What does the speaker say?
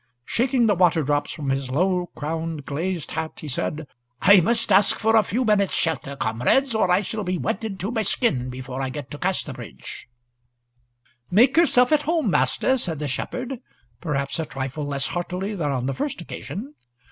Shaking the water drops from his low crowned, glazed hat, he said, "I must ask for a few minutes' shelter, comrades, or I shall be wetted to my skin before I get to Casterbridge." "Make yerself at home, master," said the shepherd, perhaps a trifle less heartily than on the first occasion.